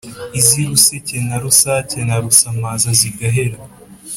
iz’i ruseke na rusake na rusamaza zigahera